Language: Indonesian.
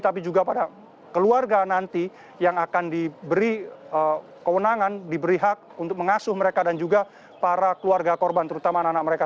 tapi juga pada keluarga nanti yang akan diberi kewenangan diberi hak untuk mengasuh mereka dan juga para keluarga korban terutama anak anak mereka